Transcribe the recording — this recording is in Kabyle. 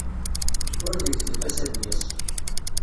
Ur deg tiṭ-is ad d-yas.